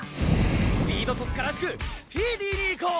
スピード特化らしくスピーディーにいこう！